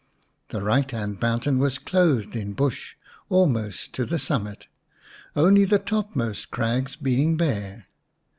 The right hand mountain was clothed in bush almost to the summit, only the topmost crags being bare.